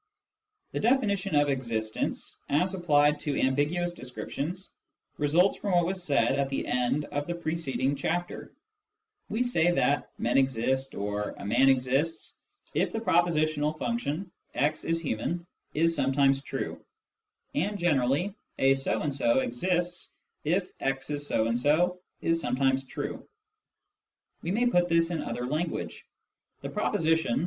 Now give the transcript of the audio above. The definition of existence, as applied to ambiguous descrip tions, results from what was said at the end of the preceding chapter. We say that " men exist " or " a man exists " if the 172 Introduction to Mathematical Philosophy propositional function " x is human " is sometimes true ; and generally " a so and so " exists if " x is so and so " is sometimes true. We may put this in other language. The proposition